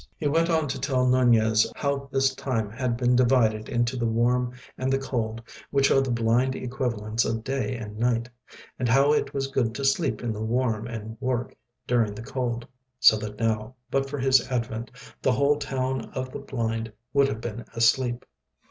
He went on to tell Nunez how this time had been divided into the warm and the cold, which are the blind equivalents of day and night, and how it was good to sleep in the warm and work during the cold, so that now, but for his advent, the whole town of the blind would have been asleep.